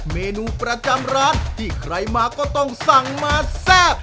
เมนูประจำร้านที่ใครมาก็ต้องสั่งมาแซ่บ